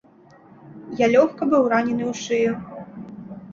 Я лёгка быў ранены ў шыю.